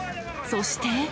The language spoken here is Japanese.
そして。